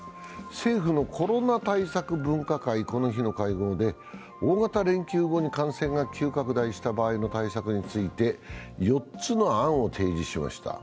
政府のコロナ対策分科会は、この日の会合で大型連休後に感染が急拡大した場合の対策について、４つの案を提示しました。